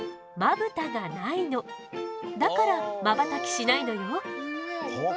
だからまばたきしないのよ。